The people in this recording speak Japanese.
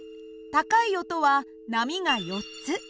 高い音は波が４つ。